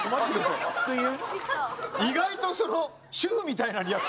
意外とその主婦みたいなリアクションというか。